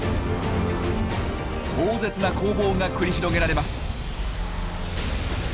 壮絶な攻防が繰り広げられます！